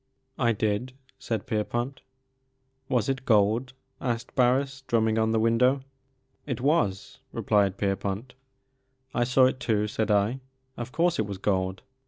"Idid/*saidPierpont. "Was it gold?" asked Bams, drumming on the window. It was," replied Kerpont. I saw it too," said I; of course, it was gold."